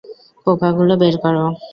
পোকাগুলো বের করো।